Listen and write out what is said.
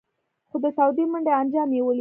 خو د تودې منډۍ انجام یې ولید.